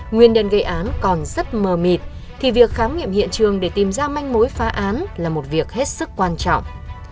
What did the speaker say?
nguyên nhân gây án còn rất mờ mịt thì việc khám nghiệm hiện trường để tìm ra manh mối phá án là một việc hết sức quan trọng